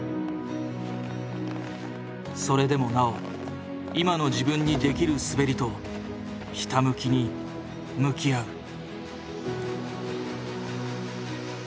それでもなお今の自分にできる滑りとひたむきに向き合う。